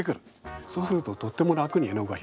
そうするととっても楽に絵の具が広がりますので。